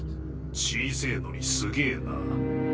小せぇのにすげぇな。